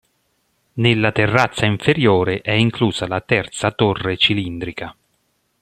Nella terrazza inferiore è inclusa la terza torre cilindrica.